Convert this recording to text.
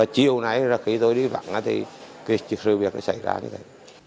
chiều nay khi tôi đi vặn thì sự việc xảy ra như thế